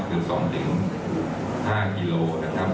คือ๒๕กิโลนะครับ